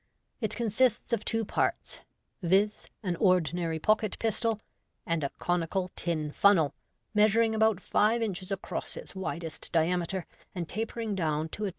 It consists of two parts, viz., an ordinary pocket pistol, and a conical tin funnel, measuring about five inches across its widest diameter, and tapering down to • MODERN MAGIC.